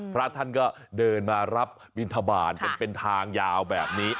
พระท่านก็เดินมารับบินทบาทกันเป็นทางยาวแบบนี้